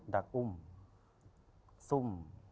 ักอุ้มซุ่ม